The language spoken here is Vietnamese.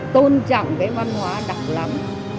tôn trọng cái văn hóa đọc lắm